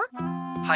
はい。